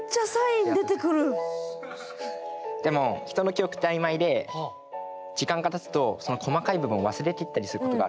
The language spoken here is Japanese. でも人の記憶って曖昧で時間がたつとその細かい部分を忘れていったりすることがあるんです。